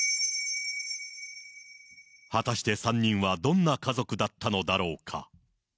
果たして３人はどんな家族だったのだろうか。